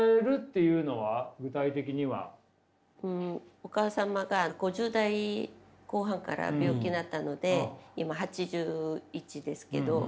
お母様が５０代後半から病気だったので今８１ですけど。